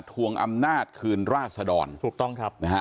ทวงอำนาจคืนราษดรถูกต้องครับนะฮะ